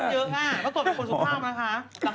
แล้วก็ตกเป็นคนสูงภาพนะคะ